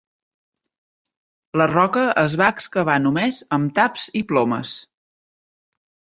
La roca es va excavar només amb taps i plomes.